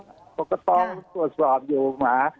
ควกเต๋าคุณก็ต้องสอสอบอยู่หมวงหา